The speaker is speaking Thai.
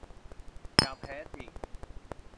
อย่างแท้จริง